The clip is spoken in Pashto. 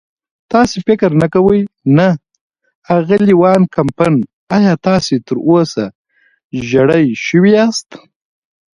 تاسې فکر نه کوئ؟ نه، اغلې وان کمپن، ایا تاسې تراوسه ژېړی شوي یاست؟